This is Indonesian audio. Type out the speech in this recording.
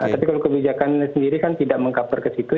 tapi kalau kebijakan sendiri kan tidak meng cover ke situ